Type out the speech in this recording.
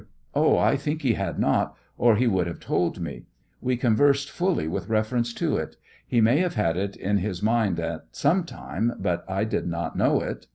Oh, I think he had not, or he would have told me ; we conversed fully with reference to it ; he may have had it in his mind at some time, but I did not know it.